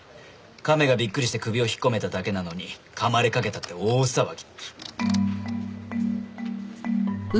カメがびっくりして首を引っ込めただけなのに噛まれかけたって大騒ぎ。